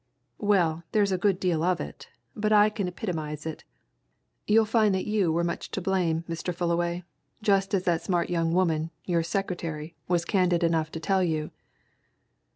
Well there's a good deal of it, but I can epitomize it. You'll find that you were much to blame, Mr. Fullaway just as that smart young woman, your secretary, was candid enough to tell you."